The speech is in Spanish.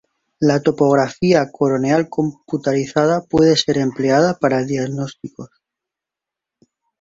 La topografía corneal computarizada puede ser empleada para diagnósticos.